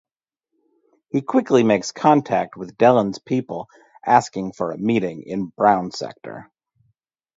He quickly makes contact with Delenn's people asking for a meeting in brown sector.